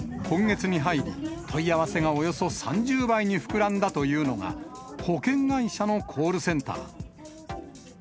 今月に入り、問い合わせがおよそ３０倍に膨らんだというのが、保険会社のコールセンター。